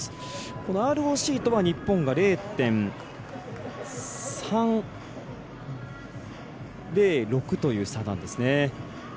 このＲＯＣとは日本が０．３０６という差なんですね。